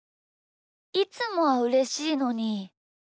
いつもはうれしいのに。